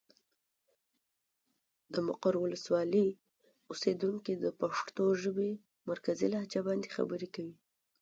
د مقر ولسوالي اوسېدونکي د پښتو ژبې مرکزي لهجه باندې خبرې کوي.